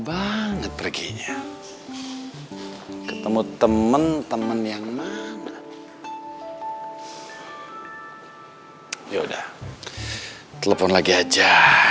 banget perginya ketemu temen temen yang mana yaudah telepon lagi aja